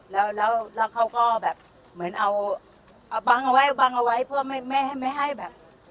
แล้วแล้วเขาก็แบบเหมือนเอาบังเอาไว้บังเอาไว้เพื่อไม่ให้ไม่ให้แบบ